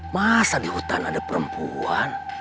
masa di hutan ada perempuan